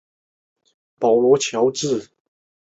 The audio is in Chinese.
鱼饵湖角猛水蚤为短角猛水蚤科湖角猛水蚤属的动物。